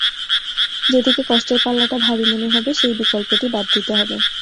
যেদিকে কষ্টের পাল্লাটি ভারী মনে হবে, সেই বিকল্পটি বাদ দিতে হবে।